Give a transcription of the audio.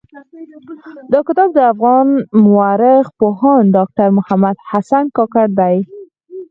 دا کتاب د افغان مٶرخ پوهاند ډاکټر محمد حسن کاکړ دٸ.